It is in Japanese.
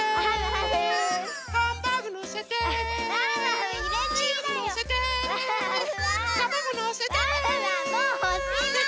はい！